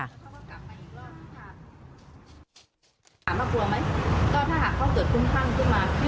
โดนคนโดนอะไรรถมันจะผ่านตลอดเลย